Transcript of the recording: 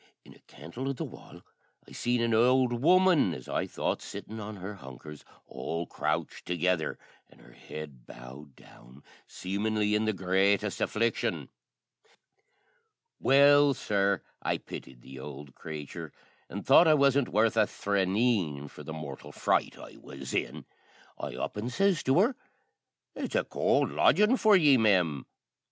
in a cantle o' the wall I seen an ould woman, as I thought, sittin' on her hunkers, all crouched together, an' her head bowed down, seemin'ly in the greatest affliction. Well, sir, I pitied the ould craythur, an' thought I wasn't worth a thraneen, for the mortial fright I was in, I up an' sez to her, "That's a cowld lodgin' for ye, ma'am."